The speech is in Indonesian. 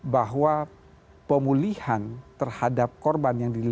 bahwa pemulihan terhadap korban yang dilakukan